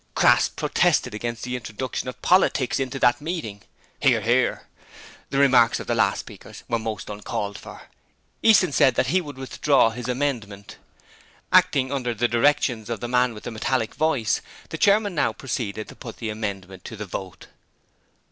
Crass protested against the introduction of politics into that meeting. (Hear, hear.) The remarks of the last speakers were most uncalled for. Easton said that he would withdraw his amendment. Acting under the directions of the man with the metallic voice, the chairman now proceeded to put the amendment to the vote.